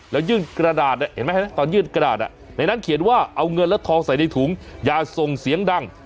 แล้วยื่นกระดาษนะเห็นมั้ยนะในนั้นเขียนว่าเอาเงินแล้วทองใส่ในถุงอย่าทรงเสียงดัง